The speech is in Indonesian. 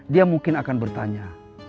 dia mungkin akan bertanya